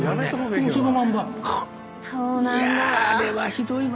いやあれはひどいわ。